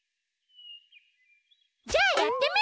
じゃあやってみる！